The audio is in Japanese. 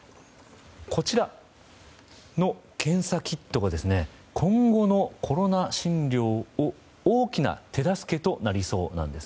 こちらの検査キットが今後のコロナ診療の大きな手助けとなりそうです。